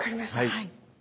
はい。